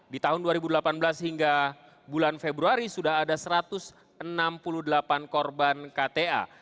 di tahun dua ribu delapan belas hingga bulan februari sudah ada satu ratus enam puluh delapan korban kta